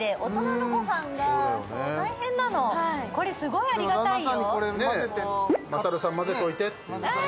これ、すごいありがたいよ。